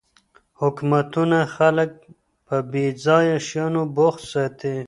حکومتونه خلګ په بې ځایه شیانو بوخت ساتي.